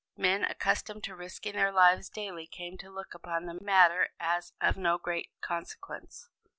Men accustomed to risking their lives daily came to look upon the matter as of no great consequence.